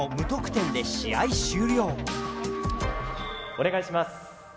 お願いします。